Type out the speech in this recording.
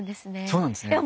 そうなんですね。